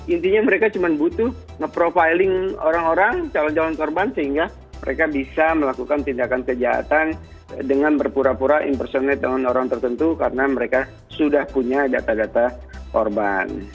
intinya mereka cuma butuh ngeprofiling orang orang calon calon korban sehingga mereka bisa melakukan tindakan kejahatan dengan berpura pura impersonate dengan orang tertentu karena mereka sudah punya data data korban